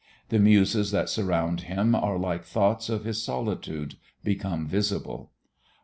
The muses that surround him are like thoughts of his solitude become visible.